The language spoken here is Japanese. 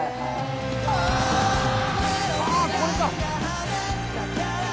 あこれか！